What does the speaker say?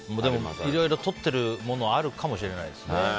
いろいろとってるものがあるかもしれないですね。